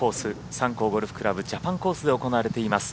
三甲ゴルフ倶楽部ジャパンコースで行われています。